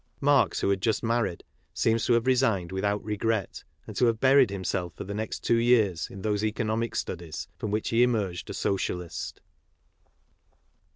Marx, who had just married, seems to have resigned without regret, and to have buried himself for the next two years in those economic studies from which he emerged a Socialist.